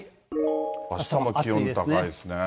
あしたも気温高いですね。